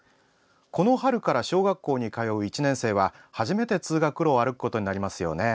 この春から小学校に通う１年生は初めて通学路を歩くことになりますよね。